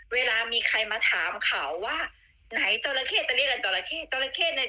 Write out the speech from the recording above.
เขาใจไม่ใช้โลเมฆ